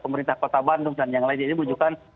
pemerintah kota bandung dan yang lainnya ini menunjukkan